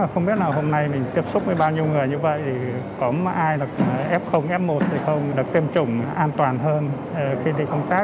không biết là hôm nay mình tiếp xúc với bao nhiêu người như vậy thì có ai được f f một thì không được tiêm chủng an toàn hơn khi đi công tác